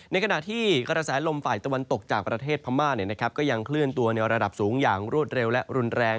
ในขณะที่กระแสลมฝ่ายตะวันตกจากประเทศพม่าก็ยังเคลื่อนตัวในระดับสูงอย่างรวดเร็วและรุนแรง